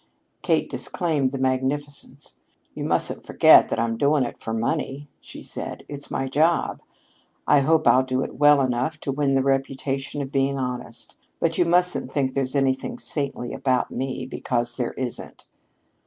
Kate disclaimed the magnificence. "You mustn't forget that I'm doing it for money," she said. "It's my job. I hope I'll do it well enough to win the reputation of being honest, but you mustn't think there's anything saintly about me, because there isn't.